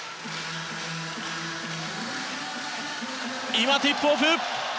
今、ティップオフ。